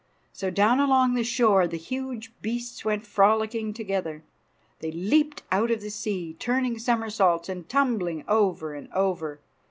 So down along the shore the huge beasts went frolicking together. They leaped out of the sea, turning summersaults and tumbling over and over.